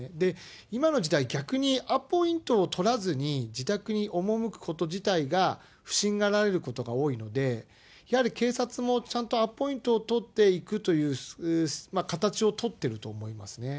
今の時代、逆にアポイントを取らずに、自宅に赴くこと自体が不審がられることが多いので、やはり警察もちゃんとアポイントを取っていくという形を取ってると思いますね。